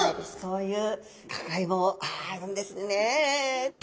そういう考えもあるんですね。